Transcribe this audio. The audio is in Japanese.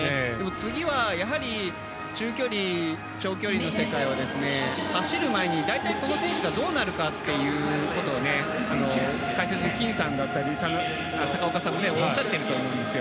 次は、やはり中距離、長距離の世界を走る前に大体この選手がどうなるかということを解説、金さんだったり高岡さんがおっしゃっていると思うんです。